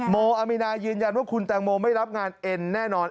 โมอามีนายืนยันว่าคุณแตงโมไม่รับงานเอ็นแน่นอน